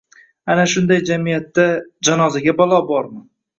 Ana shunday jamiyatda... janozaga balo bormi?